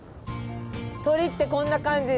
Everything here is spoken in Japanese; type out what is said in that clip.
鳥ってこんな感じ？